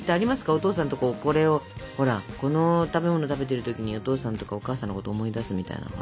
お父さんとこれをほらこの食べもの食べてる時にお父さんとかお母さんのことを思い出すみたいなのが。